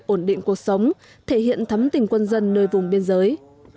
ổn định cuộc sống thể hiện thấm tình quân dân nơi vùng biên giới